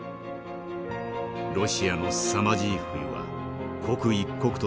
ロシアのすさまじい冬は刻一刻と近づいています。